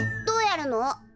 どうやるの？